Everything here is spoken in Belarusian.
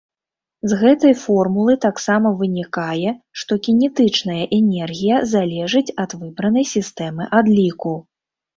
З гэтай формулы таксама вынікае, што кінетычная энергія залежыць ад выбранай сістэмы адліку.